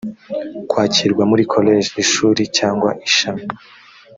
kwakirwa muri koleji, ishuri cyangwa ishami